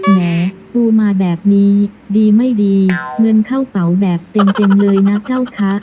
แหมปูมาแบบนี้ดีไม่ดีเงินเข้าเป๋าแบบเต็มเลยนะเจ้าคะ